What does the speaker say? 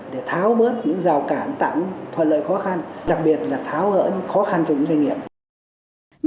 để tháo bớt những rào cản tặng thuận lợi khó khăn đặc biệt là tháo gỡ những khó khăn trong doanh nghiệp